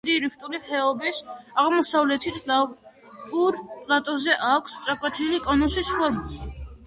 აღმართულია დიდი რიფტული ხეობის აღმოსავლეთით, ლავურ პლატოზე, აქვს წაკვეთილი კონუსის ფორმა.